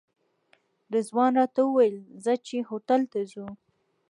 رضوان راته وویل ځه چې هوټل ته ځو.